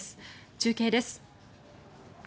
中継です。